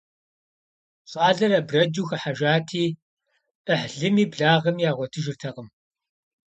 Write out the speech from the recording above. ЩӀалэр абрэджу хыхьэжати, Ӏыхьлыми благъэми ягъуэтыжыртэкъым.